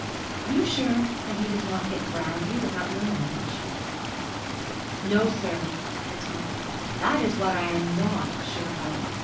'Are you sure that he does not get brandy without your knowledge?' 'No, sir,' said Towler; 'that is what I am not sure about.